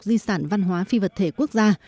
di sản văn hóa phi vật thể quốc gia